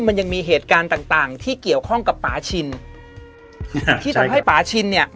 มันยังมีเหตุการณ์ต่างต่างที่เกี่ยวข้องกับป่าชินที่ทำให้ป่าชินเนี่ย